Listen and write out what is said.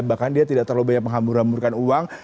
bahkan dia tidak terlalu banyak menghambur hamburkan uang